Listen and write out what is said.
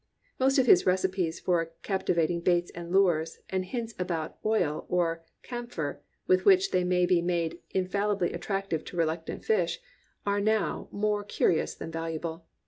Most of his recii>es for capti vating baits and lures, and his hints about "oyl," or "camphire" with which they may be made in fallibly attractive to reluctant fish, are now more curious than valuable.